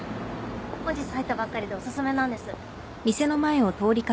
本日入ったばっかりでお薦めなんです。